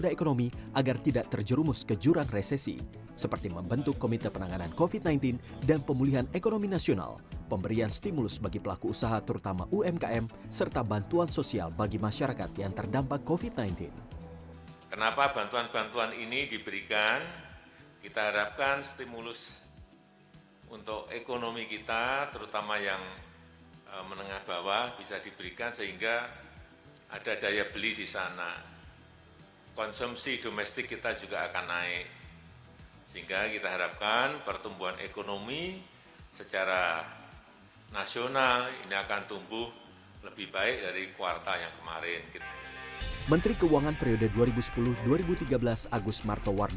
insight akan membahasnya bersama saya desi anwar